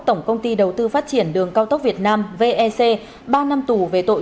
tổng công ty đầu tư phát triển đường cao tốc việt nam vec ba năm tù về tội